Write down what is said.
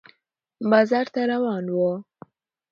بازار ته روان و